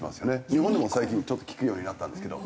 日本でも最近ちょっと聞くようになったんですけど。